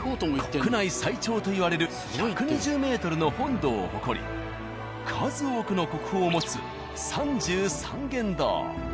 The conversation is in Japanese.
国内最長といわれる１２０ｍの本堂を誇り数多くの国宝を持つ三十三間堂。